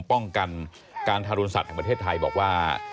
ป้องกันการทารุณสัตว์แห่งประเทศไทยบอกว่า